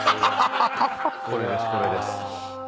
これですこれです。